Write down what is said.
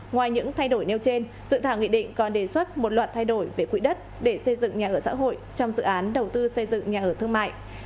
ngoài những thay đổi nêu trên dự thảo nghị định còn đề xuất một loạt thay đổi về quỹ đất để xây dựng nhà ở xã hội trong dự án đầu tư xây dựng nhà ở thương mại